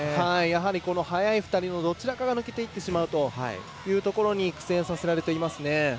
この速い２人のどちらかが抜けていってしまうというところに苦戦させられています。